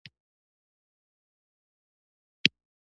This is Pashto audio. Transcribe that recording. حج او اوقاف وزیر وکیلانو ته پیسې نه دي ورکړې.